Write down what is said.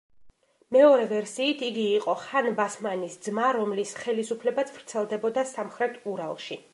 მეორე ვერსიით იგი იყო ხან ბასმანის ძმა, რომლის ხელისუფლებაც ვრცელდებოდა სამხრეთ ურალში.